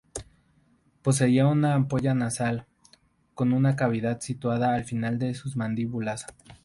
Poseía una ampolla nasal, con una cavidad situada al final de sus mandíbulas.